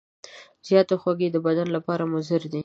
زیاتې خوږې د بدن لپاره مضرې دي.